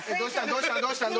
どうしたん？